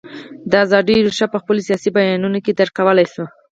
د ازادیو رېښه په خپلو سیاسي بیانیو کې درک کولای شو.